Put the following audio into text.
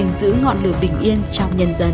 hành trình giữ ngọn lửa bình yên trong nhân dân